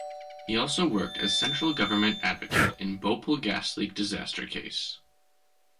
He also worked as Central Government advocate in Bhopal Gas Leak Disaster case.